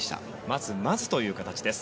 まずまずという形です。